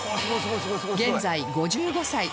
現在５５歳